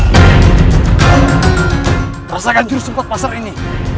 rasakan jurus support pasar ini